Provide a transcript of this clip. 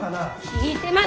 聞いてます？